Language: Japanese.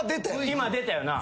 今出たよな。